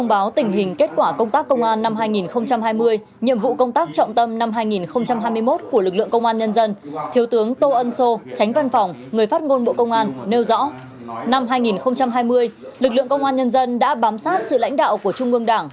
năm hai nghìn hai mươi lực lượng công an nhân dân đã bám sát sự lãnh đạo của trung ương đảng